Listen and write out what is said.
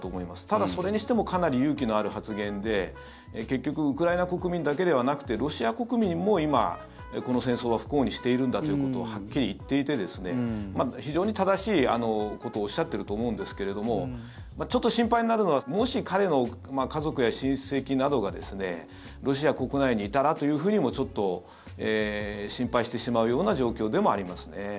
ただ、それにしてもかなり勇気のある発言で結局ウクライナ国民だけでなくてロシア国民も今、この戦争は不幸にしているんだということをはっきり言っていて非常に正しいことをおっしゃっていると思うんですけどもちょっと心配になるのはもし、彼の家族や親戚などがロシア国内にいたらというふうにもちょっと心配してしまうような状況でもありますね。